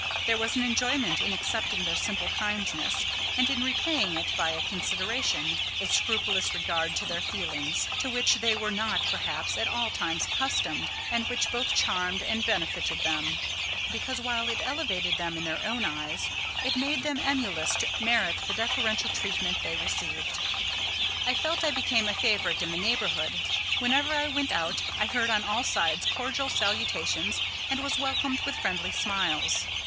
There was an enjoyment in accepting their simple kindness, and in repaying it by a consideration—a scrupulous regard to their feelings—to which they were not, perhaps, at all times accustomed, and which both charmed and benefited them; because, while it elevated them in their own eyes, it made them emulous to merit the deferential treatment they received. I felt I became a favourite in the neighbourhood. Whenever I went out, I heard on all sides cordial salutations, and was welcomed with friendly smiles.